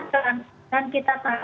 omikron ini sangat sangat mudah menular